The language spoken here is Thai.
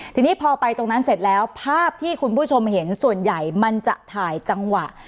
ทีนี้พอไปตรงนั้นเสร็จแล้วภาพที่คุณผู้ชมเห็นส่วนใหญ่มันจะถ่ายจังหวะ